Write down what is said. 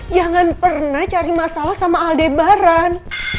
jangan pernah cari masalah sama aldebaran